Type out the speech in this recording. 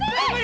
dah dah eli